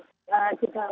dan negara negara seputar